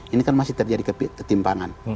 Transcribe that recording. ini kan masih terjadi ketimpangan